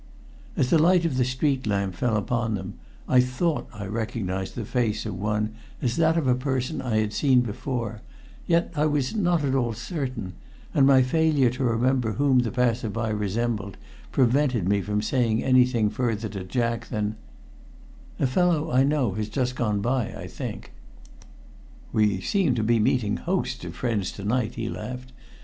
As the light of the street lamp fell upon them, I thought I recognized the face of one as that of a person I had seen before, yet I was not at all certain, and my failure to remember whom the passer by resembled prevented me from saying anything further to Jack than: "A fellow I know has just gone by, I think." "We seem to be meeting hosts of friends to night," he laughed.